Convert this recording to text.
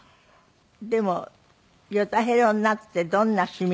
でもヨタヘロになってどんな市民活動。